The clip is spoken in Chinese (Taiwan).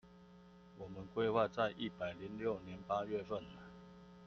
我們規劃在一百零六年八月份